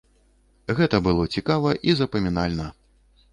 Гэта было цікава і запамінальна.